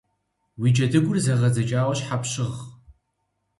Уи джэдыгур зэгъэдзэкӏауэ щхьэ пщыгъ?